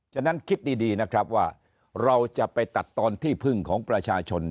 ฉะนั้นคิดดีนะครับว่าเราจะไปตัดตอนที่พึ่งของประชาชน